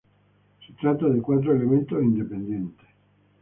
Se trata de cuatro elementos independientes.